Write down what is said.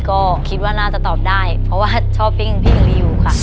ก็คิดว่าน่าจะตอบได้เพราะว่าช้อปปิ้งพี่หญิงลียูค่ะ